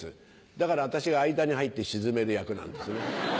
だから私が間に入って静める役なんですね。